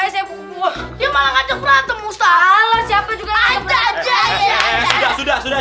sudah sudah sudah